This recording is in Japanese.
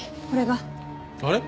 あれ？